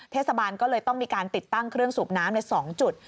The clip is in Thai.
เทศบาลก็เลยต้องมีการติดตั้งเครื่องสูบน้ำใน๒จุด